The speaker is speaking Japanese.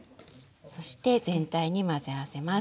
そして全体に混ぜ合わせます。